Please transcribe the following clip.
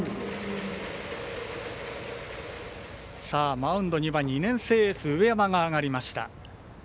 マウンドには２年生エースの上山が上がりました。